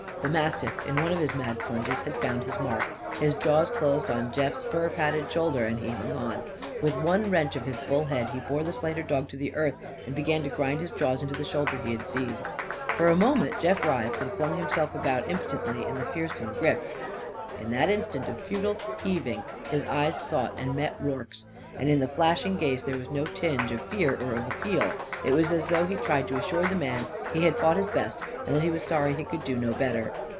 The mastiff, in one of his mad lunges, had found his mark. His jaws closed on Jeff's furpadded shoulder; and he hung on. With one wrench of his bull head he bore the slighter dog to earth and began to grind his jaws into the shoulder he had seized. For a moment Jeff writhed and flung himself about impotently in the fearsome grip. In that instant of futile heaving his eyes sought and met Rorke's. And in the flashing gaze there was no tinge of fear or of appeal. It was as though he tried to assure the man that he had fought his best and that he was sorry he could do no better.